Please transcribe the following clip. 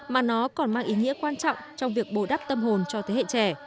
mà nó còn mang ý nghĩa quan trọng trong việc bồi đắp tâm hồn cho thế hệ trẻ